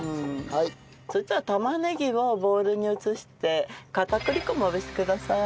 そしたら玉ねぎをボウルに移して片栗粉をまぶしてください。